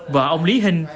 vợ ông lý hình